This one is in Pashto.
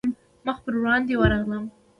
مخ پر وړاندې ورغلم.